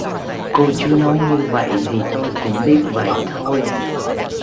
Cô chú nói như vậy thì tôi cũng biết vậy thôi